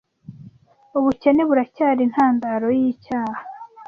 Ubukene buracyari intandaro yicyaha.